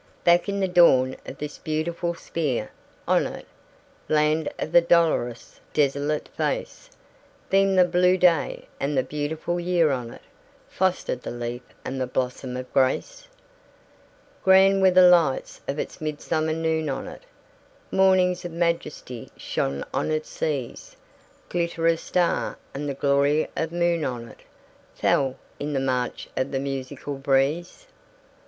Back in the dawn of this beautiful sphere, on it Land of the dolorous, desolate face Beamed the blue day; and the beautiful year on it Fostered the leaf and the blossom of grace. Grand were the lights of its midsummer noon on it Mornings of majesty shone on its seas; Glitter of star and the glory of moon on it Fell, in the march of the musical breeze.